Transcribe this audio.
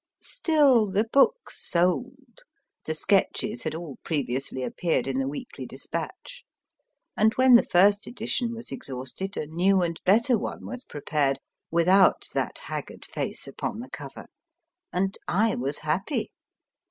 Still the book sold (the sketches had all previously appeared in the Weekly Dis patc/i), and when the first edi tion was exhausted, a new and better one was prepared (with out that haggard face upon the cover), and I was happy.